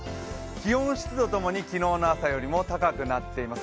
気温、湿度ともに昨日の朝よりも高くなっています。